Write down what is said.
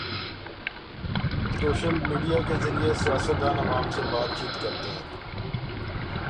Social media کے ذریعے سیاستدان عوام سے بات چیت کرتے ہیں۔